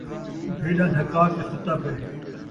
بھیݙاں ڈھکا کے سُتا پئے